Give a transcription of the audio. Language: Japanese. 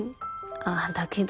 ああ「だけど」